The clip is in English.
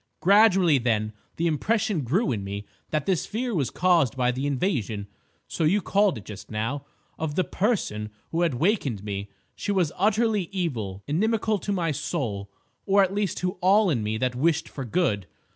Gradually, then, the impression grew in me that this fear was caused by the invasion—so you called it just now—of the 'person' who had wakened me: she was utterly evil; inimical to my soul, or at least to all in me that wished for good.